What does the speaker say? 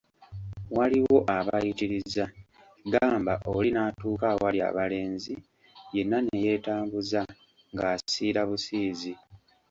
Waliwo abayitiriza, gamba oli n'atuuka awali abalenzi yenna ne yeetambuza ng'asiirabusiizi.